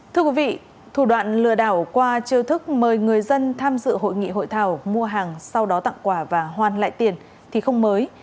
thưa quý vị thủ đoạn lừa đảo qua chiêu thức mời người dân tham dự hội nghị hội thảo mua hàng sau đó tặng quà và hoan lại tiền thì không mới